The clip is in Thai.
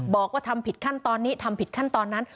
บอกว่าทำผิดขั้นตอนนี้ทำผิดขั้นตอนนั้น